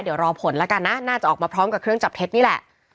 เดี๋ยวรอผลแล้วกันนะน่าจะออกมาพร้อมกับเครื่องจับเท็จนี่แหละ